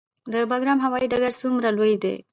د بګرام هوايي ډګر څومره لوی دی؟